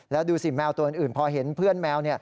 แล้วดูสิแมวตัวอื่นพอเห็นเพื่อนแมว